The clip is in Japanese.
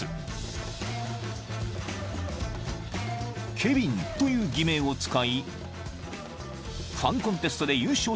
［ケビンという偽名を使い］